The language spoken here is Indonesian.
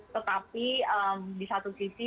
tetapi di satu sisi